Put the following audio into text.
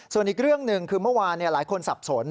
ส่วนอีกเรื่องหนึ่งคือเมื่อวานหลายคนสับสน